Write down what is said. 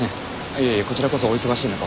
いえいえこちらこそお忙しい中。